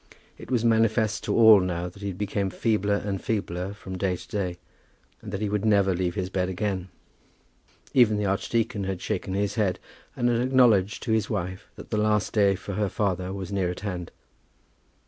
It was manifest to all now that he became feebler and feebler from day to day, and that he would never leave his bed again. Even the archdeacon had shaken his head, and had acknowledged to his wife that the last day for her father was near at hand.